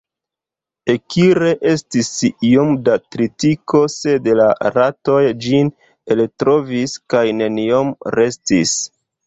Ekire, estis iom da tritiko, sed la ratoj ĝin eltrovis, kaj neniom restis.